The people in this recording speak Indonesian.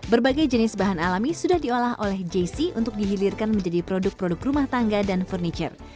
berbagai jenis bahan alami sudah diolah oleh jessee untuk dihilirkan menjadi produk produk rumah tangga dan furniture